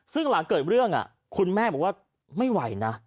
ซึ่งหลังเกิดเรื่องคุณแม่บอกว่าไม่ไหวนะ